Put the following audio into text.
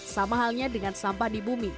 sama halnya dengan sampah di bumi